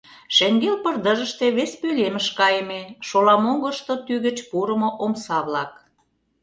Шеҥгел пырдыжыште вес пӧлемыш кайыме, шола могырышто тӱгыч пурымо омса-влак.